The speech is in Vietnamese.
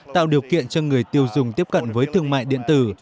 tạo điều kiện cho người tiêu dùng tiếp cận với thương mại điện tử